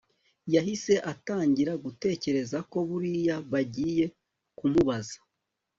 yahise atangira gutekereza ko buriya bagiye kumubaza